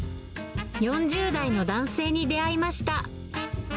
４０代の男性に出会いました。